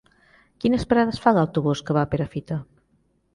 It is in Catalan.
Quines parades fa l'autobús que va a Perafita?